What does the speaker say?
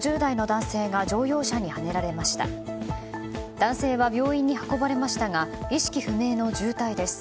男性は病院に運ばれましたが意識不明の重体です。